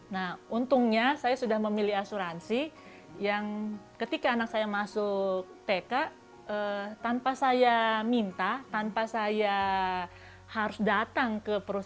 jadi kita tidak perlu yang seperti orang bilang yang harus kita pergi terus